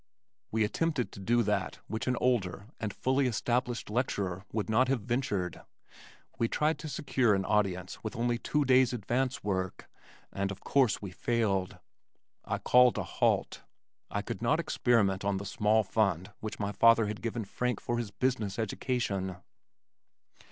We attempted to do that which an older and fully established lecturer would not have ventured. We tried to secure an audience with only two days' advance work, and of course we failed. I called a halt. I could not experiment on the small fund which my father had given Frank for his business education.